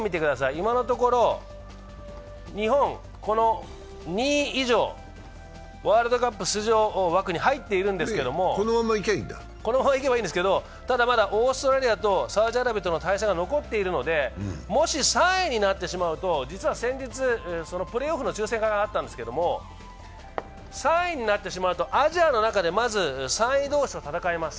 今のところ日本、２位以上、ワールドカップ出場枠に入っているんですけどこのままいけばいいんですけどまだオーストラリアとサウジアラビアとの対戦が残っているのでもし３位になってしまうと、実は先日プレーオフの抽選会があったんですけど、３位になってしまうと、アジアの中でまず３位同士で戦います。